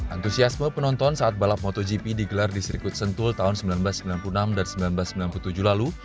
antusiasme penonton saat balap motogp digelar di sirkuit sentul tahun seribu sembilan ratus sembilan puluh enam dan seribu sembilan ratus sembilan puluh tujuh lalu